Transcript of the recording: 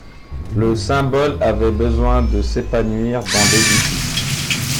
Le symbole avait besoin de s’épanouir dans l’édifice.